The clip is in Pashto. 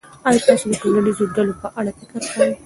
آیا تاسو د ټولنیزو ډلو په اړه فکر کوئ.